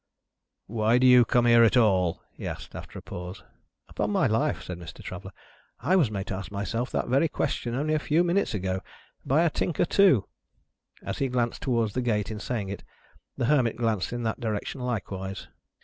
"Why do you come here at all?" he asked, after a pause. "Upon my life," said Mr. Traveller, "I was made to ask myself that very question only a few minutes ago by a Tinker too." As he glanced towards the gate in saying it, the Hermit glanced in that direction likewise.